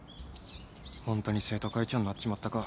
ホントに生徒会長になっちまったか。